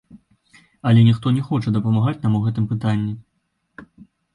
Але ніхто не хоча дапамагаць нам у гэтым пытанні.